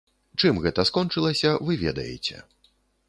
Чым гэта скончылася, вы ведаеце.